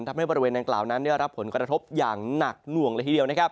ทำให้บริเวณนางกล่าวนั้นรับผลกระทบอย่างหนักหน่วงเลยทีเดียว